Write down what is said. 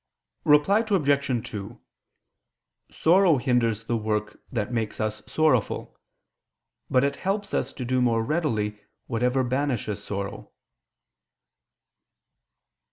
Reply Obj. 2: Sorrow hinders the work that makes us sorrowful: but it helps us to do more readily whatever banishes sorrow.